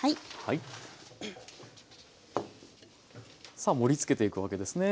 さあ盛りつけていくわけですね。